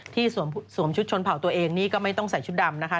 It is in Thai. สวมชุดชนเผาตัวเองนี่ก็ไม่ต้องใส่ชุดดำนะคะ